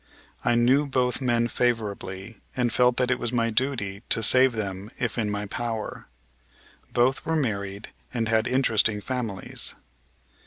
I knew both men favorably and felt that it was my duty to save them if in my power. Both were married and had interesting families.